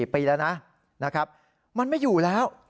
๑๔ปีแล้วนะมันไม่อยู่แล้ว